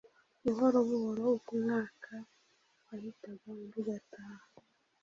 Buhoro buhoro uko umwaka wahitaga undi ugataha